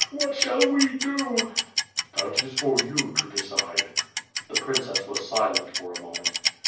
What shall we do?" "That is for you to decide." The princess was silent for a moment.